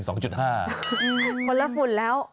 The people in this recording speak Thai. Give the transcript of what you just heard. คนละฝุ่นแล้ว